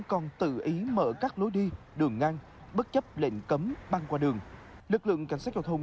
còn tự ý mở các lối đi đường ngang bất chấp lệnh cấm băng qua đường lực lượng cảnh sát giao thông